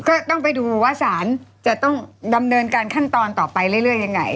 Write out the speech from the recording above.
ก็ต้องไปดูว่าสารจะต้องดำเนินการขั้นตอนต่อไปเรื่อยยังไง